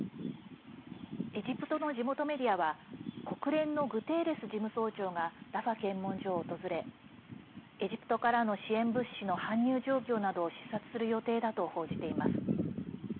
エジプトの地元メディアは国連のグテーレス事務総長がラファ検問所を訪れエジプトからの支援物資の搬入状況などを視察する予定だと報じています。